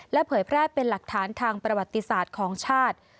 เผยแพร่เป็นหลักฐานทางประวัติศาสตร์ของชาติ